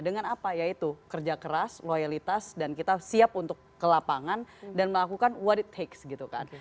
dengan apa yaitu kerja keras loyalitas dan kita siap untuk ke lapangan dan melakukan what it takes gitu kan